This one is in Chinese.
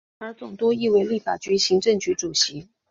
而总督亦为立法局及行政局主席。